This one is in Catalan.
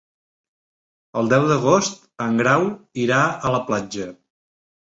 El deu d'agost en Grau irà a la platja.